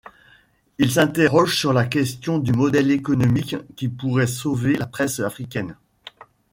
Il s’interroge sur la question du modèle économique qui pourrait sauver la presse africaine.